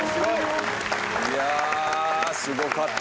いやすごかった。